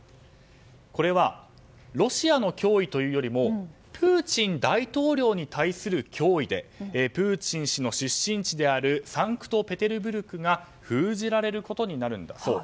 これはロシアの脅威というよりもプーチン大統領に対する脅威でプーチン氏の出身地であるサンクトペテルブルクが封じられることになるんだそう。